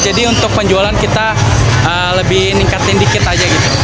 jadi untuk penjualan kita lebih ningkatin dikit aja gitu